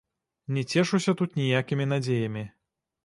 Не цешуся тут ніякімі надзеямі.